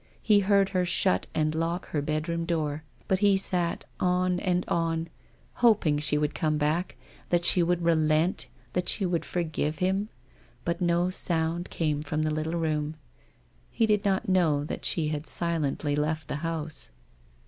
He heard her shut and lock her bedroom door, but he sat on and on, hoping she would come back, that she would relent, that she would forgive him. .. But no sound came from the little room. He did not know that she had silently left the house.